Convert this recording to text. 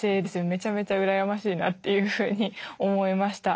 めちゃめちゃうらやましいなっていうふうに思いました。